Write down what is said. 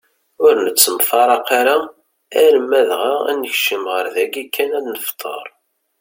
Ur nettemfraq ara alamm dɣa ad nekcem ɣer dagi kan ad nefteṛ.